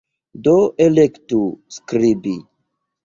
Do, elektu "skribi"